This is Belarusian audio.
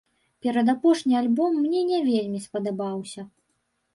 Перадапошні альбом мне не вельмі спадабаўся.